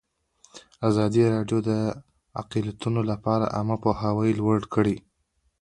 ازادي راډیو د اقلیتونه لپاره عامه پوهاوي لوړ کړی.